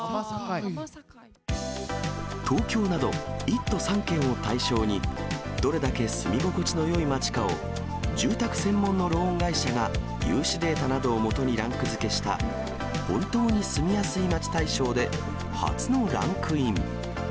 東京など１都３県を対象に、どれだけ住み心地のよい街かを、住宅専門のローン会社が融資データなどを基にランク付けした本当に住みやすい街大賞で、初のランクイン。